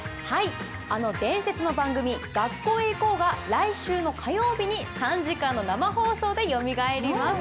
あの伝説の番組「学校へ行こう！」が来週の火曜日に３時間の生放送でよみがえります。